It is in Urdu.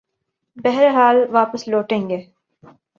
بہرحال واپس لوٹیں گے۔